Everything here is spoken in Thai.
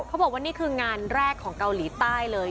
เขาบอกว่านี่คืองานแรกของเกาหลีใต้เลย